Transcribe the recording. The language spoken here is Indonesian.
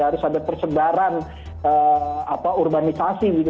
harus ada persebaran urbanisasi gitu